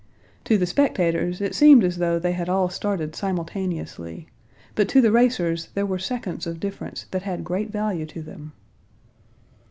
To the spectators it seemed as though they had all started simultaneously, but to the racers there were seconds of difference that had great value to them.